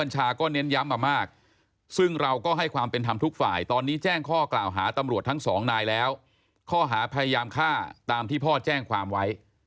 ใช่ไหมอ๋อคือแจ้งไปแล้วคือคือผมแจ้งของผมครับผมอ๋ออ่าเอาเป็นว่า